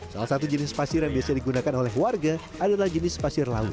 salah satu jenis pasir yang biasa digunakan oleh warga adalah jenis pasir laut